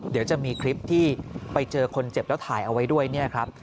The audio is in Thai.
เดี๋ยวจะมีคลิปที่ไปเจอคนเจ็บแล้วถ่ายเอาไว้ด้วยเนี่ยครับ